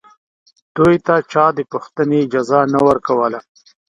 دوی ته چا د پوښتنې اجازه نه ورکوله